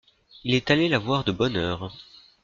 Il est allé la voir de bonne heure.